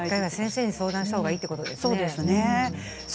先生に相談したほうがいいということですね。